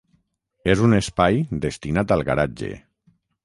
És un espai destinat al garatge.